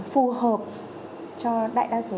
phù hợp cho đại đa số